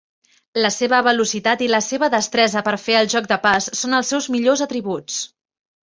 La seva velocitat i la seva destresa per fer el joc de pas són els seus millors atributs.